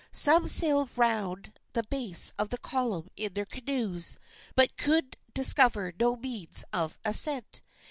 Some sailed around the base of the column in their canoes, but could discover no means of ascent.